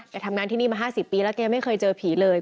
ทำงานที่นี่มา๕๐ปีแล้วแกไม่เคยเจอผีเลย